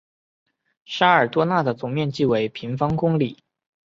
沙尔多讷的总面积为平方公里。